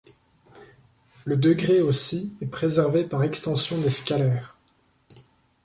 Le degré aussi est préservé par extension des scalaires.